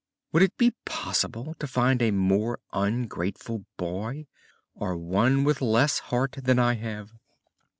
Would it be possible to find a more ungrateful boy, or one with less heart than I have?"